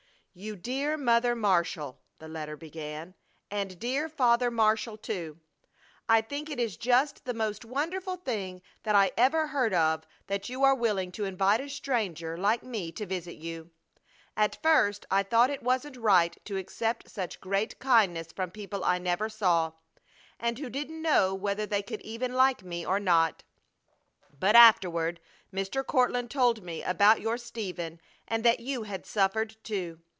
YOU DEAR MOTHER MARSHALL! [the letter began.] AND DEAR FATHER MARSHALL, TOO! I think it is just the most wonderful thing that I ever heard of that you are willing to invite a stranger like me to visit you! At first I thought it wasn't right to accept such great kindness from people I never saw, and who didn't know whether they could even like me or not. But afterward Mr. Courtland told me about your Stephen and that you had suffered, too!